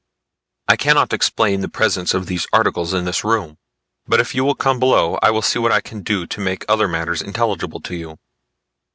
"I cannot explain the presence of these articles in this room; but if you will come below I will see what I can do to make other matters intelligible to you.